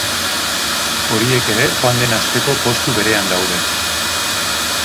Horiek ere joan den asteko postu berean daude.